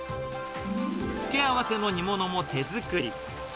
付け合わせの煮物も手作り。